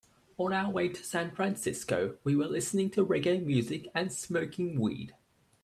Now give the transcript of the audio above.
On our way to San Francisco, we were listening to reggae music and smoking weed.